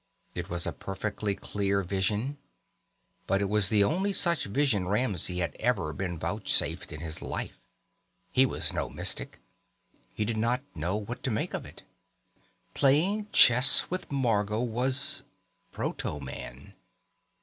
It was a perfectly clear vision, but it was the only such vision Ramsey had ever been vouchsafed in his life. He was no mystic. He did not know what to make of it. Playing chess with Margot was proto man.